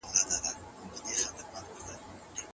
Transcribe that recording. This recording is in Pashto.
تر راتلونکو څو کلونو به ټول اقتصادي پلانونه بشپړ سوي وي.